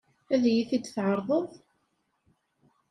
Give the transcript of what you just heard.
Ad iyi-t-tɛeṛḍeḍ?